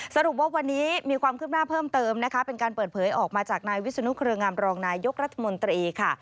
สรุปว่าวันนี้มีความคืบหน้าเพิ่มเติมนะคะเป็นการเปิดเผยออกมาจากนายวิศนุเครืองามรองนายยกรัฐมนตรีค่ะ